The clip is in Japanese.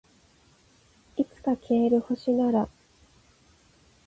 いつか消える星なら